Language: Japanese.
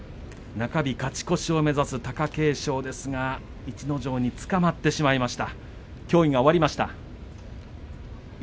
中日勝ち越しを目指す貴景勝逸ノ城につかまってしまいました。